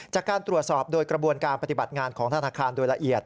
จากการตรวจสอบโดยกระบวนการปฏิบัติงานของธนาคารโดยละเอียด